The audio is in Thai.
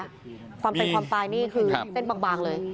ความเป็นความตายนี่คือเส้นบางเลย